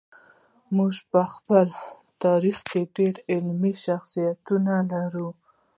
موږ په خپل تاریخ کې ډېر علمي شخصیتونه لرو.